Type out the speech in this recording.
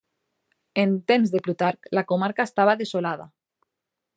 En temps de Plutarc la comarca estava desolada.